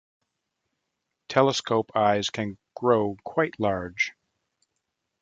Telescope eyes can grow quite large.